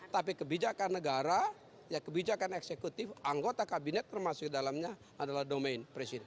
tapi kebijakan negara kebijakan eksekutif anggota kabinet termasuk dalamnya adalah domain presiden